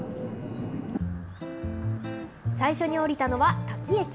最初に降りたのは滝駅。